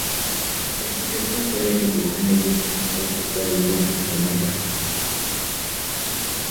Estudió pintura y dibujo en el Instituto Cooper Union en Nueva York.